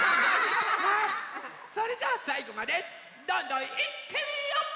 それじゃさいごまでどんどんいってみよっ！